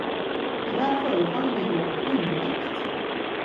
Det här förefaller mig något underligt.